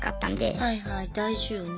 はいはい大事よね。